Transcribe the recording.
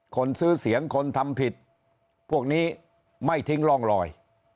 คนซื้อเสียงคนทำผิดพวกนี้ไม่ทิ้งร่องลอย